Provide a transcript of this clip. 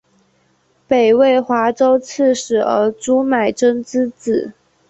北魏华州刺史尔朱买珍之子。